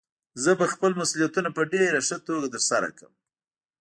زه به خپل مسؤليتونه په ډېره ښه توګه ترسره کړم.